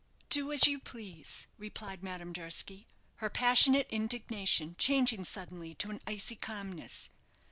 "Do as you please," replied Madame Durski, her passionate indignation changing suddenly to an icy calmness.